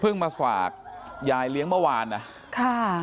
มาฝากยายเลี้ยงเมื่อวานนะค่ะ